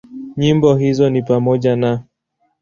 Nyimbo hizo ni pamoja na;